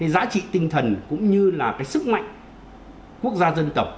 giá trị tinh thần cũng như là sức mạnh quốc gia dân tộc